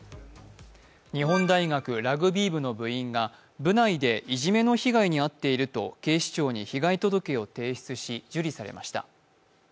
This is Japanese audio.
日本大学ラグビー部の部員が部内でいじめの被害に遭っていると警視庁に被害届を提出し、受理されました。